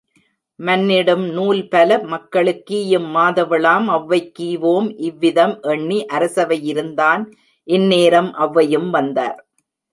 மன்னிடும் நூல்பல மக்களுக்கீயும் மாதவளாம் ஒளவைக் கீவோம் இவ்விதம் எண்ணி அரசவையிருந்தான் இந்நேரம் ஒளவையும் வந்தார்.